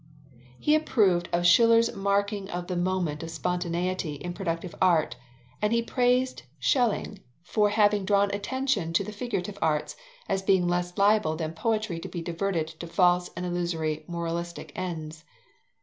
He approved of Schiller's marking of the moment of spontaneity in productive art, and he praised Schelling for having drawn attention to the figurative arts, as being less liable than poetry to be diverted to false and illusory moralistic ends.